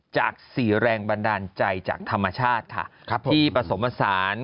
จาก๔แรงบันดาลใจจากธรรมชาติค่ะที่ผสมผสาน